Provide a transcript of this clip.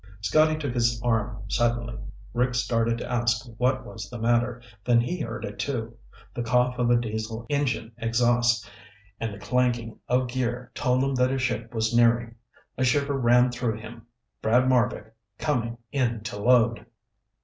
Scotty took his arm suddenly. Rick started to ask what was the matter, then he heard it, too. The cough of a Diesel engine exhaust and the clanking of gear told him that a ship was nearing. A shiver ran through him. Brad Marbek, coming in to load!